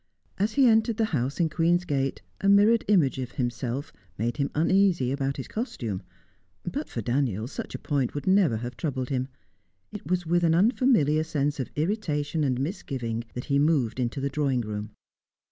As he entered the house in Queen's Gate, a mirrored image of himself made him uneasy about his costume. But for Daniel, such a point would never have troubled him. It was with an unfamiliar sense of irritation and misgiving that he moved into the drawing room.